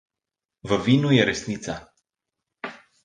V vinu je resnica.